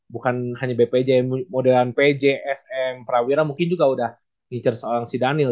bukan hanya bpj modern pj sm prawira mungkin juga udah ngincer seorang si daniel